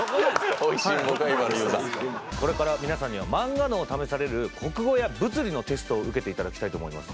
これから皆さんにはマンガ脳を試される国語や物理のテストを受けて頂きたいと思います。